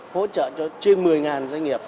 hỗ trợ cho trên một mươi doanh nghiệp